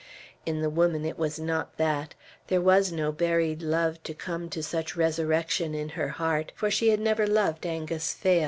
In the woman it was not that; there was no buried love to come to such resurrection in her heart, for she had never loved Angus Phail.